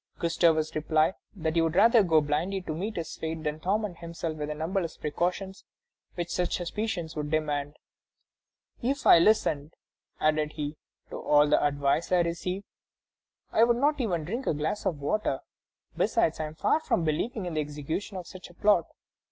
Gustavus replied that he would rather go blindly to meet his fate than torment himself with the numberless precautions which such suspicions would demand. "If I listened," added he, "to all the advice I receive, I could not even drink a glass of water; besides, I am far from believing in the execution of such a plot.